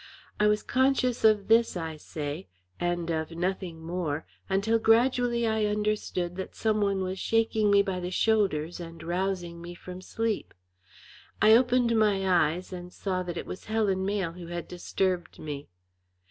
I was conscious of this, I say, and of nothing more until gradually I understood that some one was shaking me by the shoulders and rousing me from sleep. I opened my eyes and saw that it was Helen Mayle who had disturbed me.